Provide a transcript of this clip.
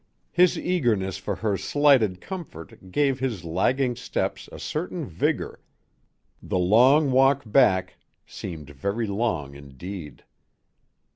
His eagerness for her slighted comfort gave his lagging steps a certain vigor, the long walk back seemed very long, indeed.